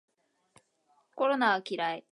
コロナは嫌い